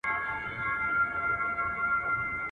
چي له غمه یې ژړل مي تر سهاره.